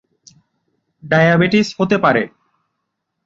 Diabetes হতে পারে।